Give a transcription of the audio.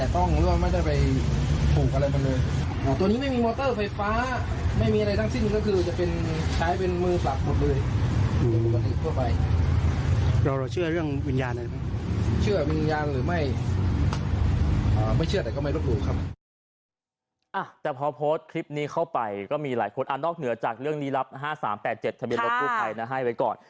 แต่พอโพสต์คลิปนี้เข้าไปก็มีหลายคนนอกเหนือจากเรื่องนี้รับ๕๓๘๗ทะเบียนรถกู้ภัยนะให้ไว้ก่อน